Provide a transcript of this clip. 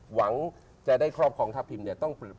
หวังจะได้ครอบครองทัพพิมพ์เนี่ย